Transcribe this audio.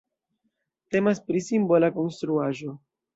Temas pri simbola konstruaĵo.